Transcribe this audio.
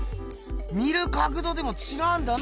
見る角度でもちがうんだな。